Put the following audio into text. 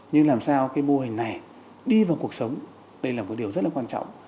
nhưng làm sao mô hình này đi vào cuộc sống đây là một điều rất quan trọng